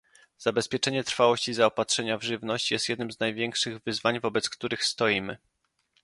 Zabezpieczenie trwałości zaopatrzenia w żywność jest jednym z największych wyzwań, wobec których stoimy